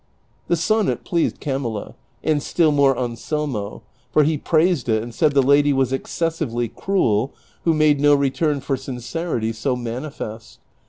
The sonnet pleased Camilla, and still more Anselmo, for he praised it and said the lady was excessively cruel who made no re turn for sincerity so manifest.